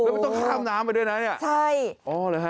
แล้วมันต้องข้ามน้ำไว้ด้วยนะเนี้ยใช่โหหรือฮะ